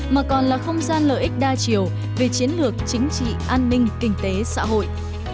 mà còn là không gian lợi ích đa chiều về chiến lược chính trị an ninh kinh tế xã hội